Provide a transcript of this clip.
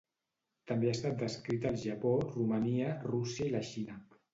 També ha estat descrita al Japó, Romania, Rússia i la Xina.